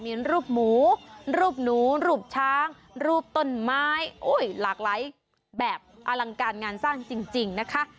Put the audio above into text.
มีรูปหมูรูปหนูรูปช้างรูปต้นไม้หลากหลายแบบอลังการงานสร้างจริงนะคะ